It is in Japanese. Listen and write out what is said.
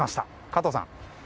加藤さん